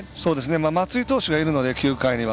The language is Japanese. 松井投手がいるので９回には。